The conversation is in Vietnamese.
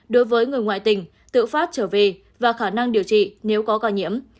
đối với người ngoại tình tự phát trở về và khả năng điều trị nếu có ca nhiễm